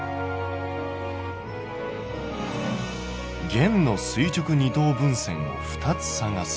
「弦の垂直二等分線を２つ探す」。